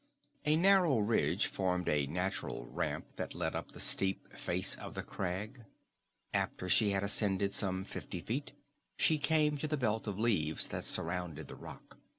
A narrow ridge formed a natural ramp that led up the steep face of the crag. After she had ascended some fifty feet she came to the belt of leaves that surrounded the rock.